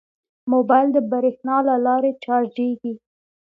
موبایل د بریښنا له لارې چارجېږي.